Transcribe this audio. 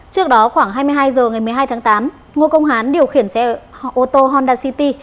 trước đó khoảng hai mươi hai h ngày một mươi hai tháng tám ngô công hán điều khiển xe ô tô honda city